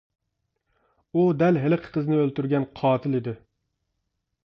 ئۇ دەل ھېلىقى قىزنى ئۆلتۈرگەن قاتىل ئىدى.